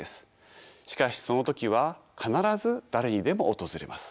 しかしその時は必ず誰にでも訪れます。